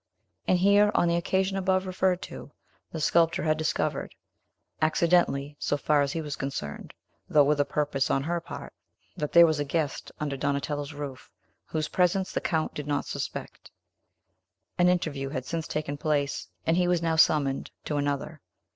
And here, on the occasion above referred to, the sculptor had discovered accidentally, so far as he was concerned, though with a purpose on her part that there was a guest under Donatello's roof, whose presence the Count did not suspect. An interview had since taken place, and he was now summoned to another.